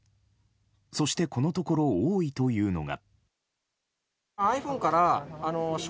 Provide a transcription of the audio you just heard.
そして、このところ多いというのが。